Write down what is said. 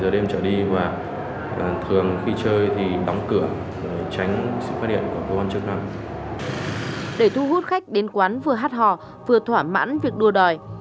để thu hút khách đến quán vừa hát hò vừa thỏa mãn việc đùa đời